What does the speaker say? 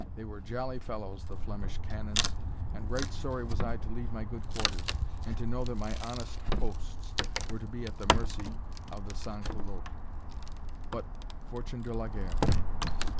They were jolly fellows, the Flemish Canons, and right sorry was I to leave my good quarters, and to know that my honest hosts were to be at the mercy of the Sans Culottes. But _fortune de la guerre!